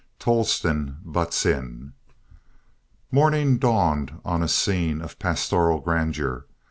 TOLLESTON BUTTS IN Morning dawned on a scene of pastoral grandeur.